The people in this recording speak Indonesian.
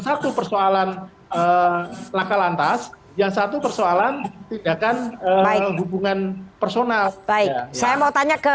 satu persoalan laka lantas yang satu persoalan tindakan hubungan personal saya mau tanya ke